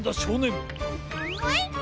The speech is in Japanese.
えっ！？